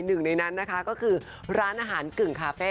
หนึ่งในนั้นนะคะก็คือร้านอาหารกึ่งคาเฟ่